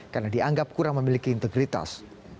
karena dianggap kurang memiliki integritas